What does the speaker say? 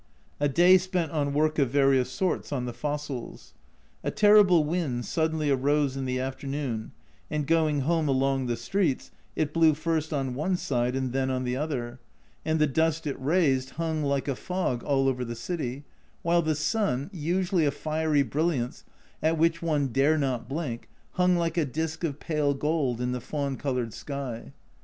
A day spent on work of various sorts on the fossils. A terrible wind suddenly arose in the afternoon, and going home along the streets it blew first on one side and then on the other, and the dust A Journal from Japan 95 it raised hung like a fog all over the city, while the sun, usually a fiery brilliance at which one dare not blink, hung like a disk of pale gold in the fawn coloured sky.